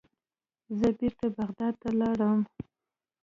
زه بیرته بغداد ته لاړم.